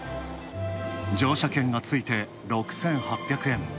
乗車券がついて、６８００円。